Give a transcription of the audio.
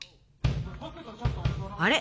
あれ？